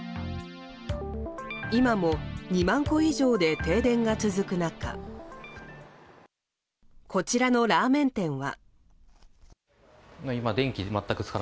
今も２万戸以上で停電が続く中こちらのラーメン店は。